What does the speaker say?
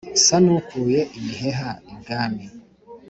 nsa n’ukuye imiheha ibwami